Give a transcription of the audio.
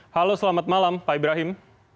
halo selamat malam pak ibrahim